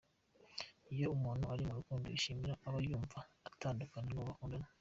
Iyo umuntu ari mu rukundo yishimira aba yumva atatandukana n’uwo bakundana.